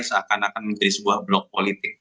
seakan akan menjadi sebuah blok politik